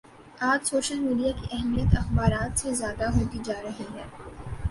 آج social media کی اہمیت اخبارات سے زیادہ ہوتی جا رہی ہے